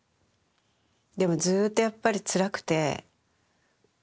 でもずっとやっぱりつらくて。